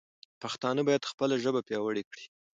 پښتانه باید خپله ژبه پیاوړې کړي.